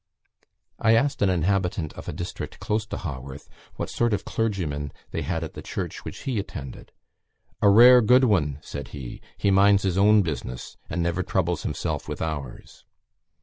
I asked an inhabitant of a district close to Haworth what sort of a clergyman they had at the church which he attended. "A rare good one," said he: "he minds his own business, and ne'er troubles himself with ours."